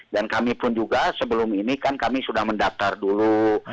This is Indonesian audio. dan kami pun juga sebelum ini kan kami sudah mendaftar dulu